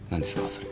それ。